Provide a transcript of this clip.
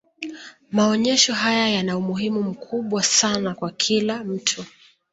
maonyesho haya yana umuhimu mkubwa sana kwa kila mtu